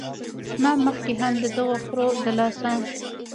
ما مخکښې هم د دغه خرو د لاسه